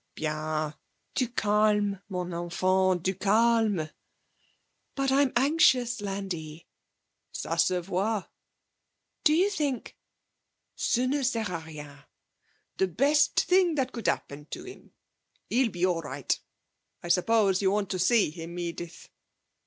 'Bien. Du calme, mon enfant; du calme!' 'But, I'm anxious, Landi.' 'Ca se voit!' 'Do you think ' 'Ce ne sera rien. It's the best thing that could happen to him. He'll be all right.... I suppose you want to see him, Edith?'